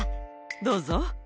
どうぞ。